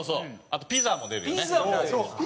あとピザも出るよね。